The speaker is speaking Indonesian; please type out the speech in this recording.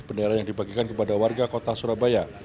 bendera yang dibagikan kepada warga kota surabaya